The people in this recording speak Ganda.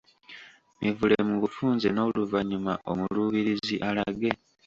Mivule mu bufunze n’oluvannyuma omuluubirizi alage